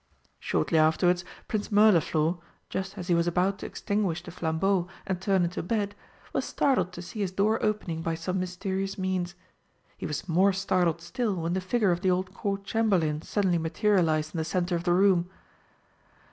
Shortly afterwards Prince Mirliflor, just as he was about to extinguish the flambeaux and turn into bed, was startled to see his door opening by some mysterious means. He was more startled still when the figure of the old Court Chamberlain suddenly materialised in the centre of the room.